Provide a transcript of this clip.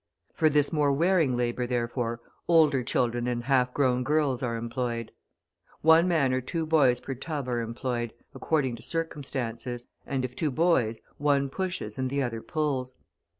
For this more wearing labour, therefore, older children and half grown girls are employed. One man or two boys per tub are employed, according to circumstances; and, if two boys, one pushes and the other pulls.